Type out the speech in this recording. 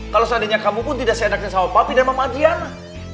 kalau seandainya kamu pun tidak seenaknya sama papi dan mama diana